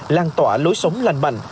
làn tỏa lối sống lành mạnh